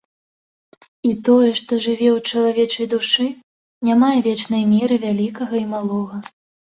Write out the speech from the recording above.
І тое, што жыве ў чалавечай душы, не мае вечнай меры вялікага і малога.